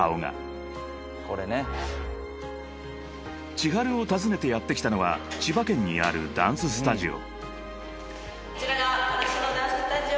［ｃｈｉｈａｒｕを訪ねてやってきたのは千葉県にあるダンススタジオ］